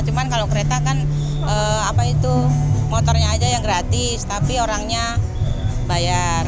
cuma kalau kereta kan apa itu motornya aja yang gratis tapi orangnya bayar